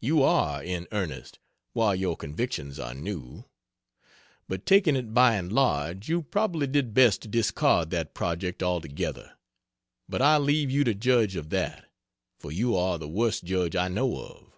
You are in earnest while your convictions are new. But taking it by and large, you probably did best to discard that project altogether. But I leave you to judge of that, for you are the worst judge I know of.